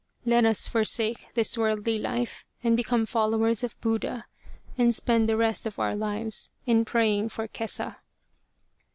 " Let us forsake this worldly life and become followers of Buddha, and spend the rest of our lives in praying for Kesa."